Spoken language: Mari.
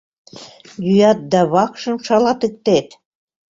Йӱат да вакшым шалатыктет?